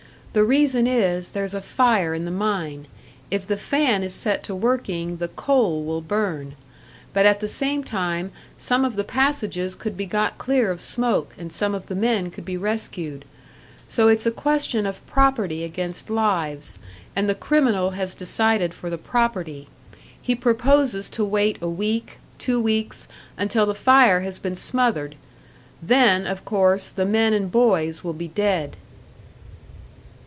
The reason is, there's a fire in the mine; if the fan is set to working, the coal will burn. But at the same time, some of the passages could be got clear of smoke, and some of the men could be rescued. So it's a question of property against lives; and the criminal has decided for the property. He proposes to wait a week, two weeks, until the fire has been smothered; then of course the men and boys will be dead."